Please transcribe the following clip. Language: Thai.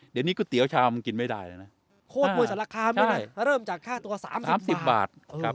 เดี๋ยวนี้ก๋วยเตี๋ยวชามมันกินไม่ได้เลยนะโคตรมวยสารคามไม่ได้เริ่มจากค่าตัว๓๓๐บาท